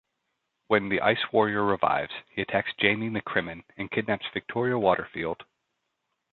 When the Ice Warrior revives, he attacks Jamie McCrimmon and kidnaps Victoria Waterfield.